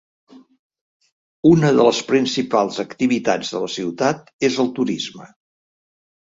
Una de les principals activitats de la ciutat és el turisme.